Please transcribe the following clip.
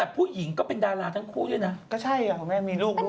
แต่ผู้หญิงก็เป็นดาราทั้งคู่ด้วยนะก็ใช่ค่ะแม่มีลูกด้วย